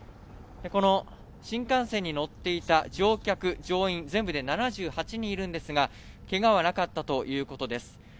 この新幹線に乗っていた乗客乗員全部で７８人いるんですが、けがはなかったということです。